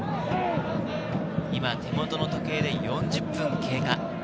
手元の時計で４０分経過。